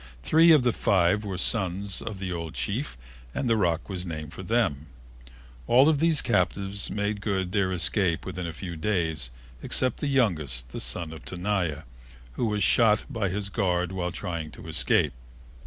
Three of the five were sons of the old chief and the rock was named for them. All of these captives made good their escape within a few days, except the youngest son of Tenaya, who was shot by his guard while trying to escape.